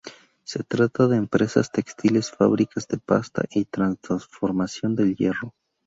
Se trata de empresas textiles, fábricas de pasta y de transformación del hierro.